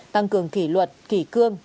tăng cường kỷ luật kỷ cương